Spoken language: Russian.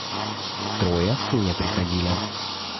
Трое не приходили.